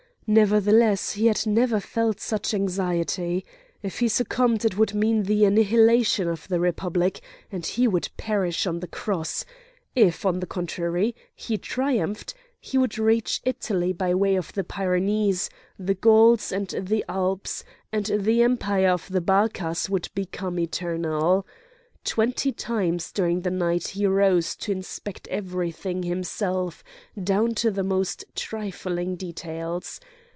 Nevertheless, he had never felt such anxiety; if he succumbed it would mean the annihilation of the Republic, and he would perish on the cross; if, on the contrary, he triumphed, he would reach Italy by way of the Pyrenees, the Gauls, and the Alps, and the empire of the Barcas would become eternal. Twenty times during the night he rose to inspect everything himself, down to the most trifling details.